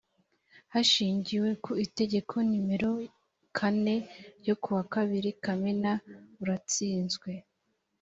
hashingiwe ku itegeko numero kane ryo ku wa kabiri kamena uratsinzwe